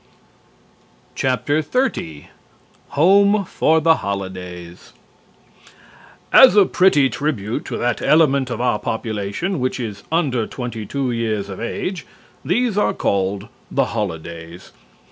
XXX HOME FOR THE HOLIDAYS As a pretty tribute to that element of our population which is under twenty two years of age, these are called "the Holidays."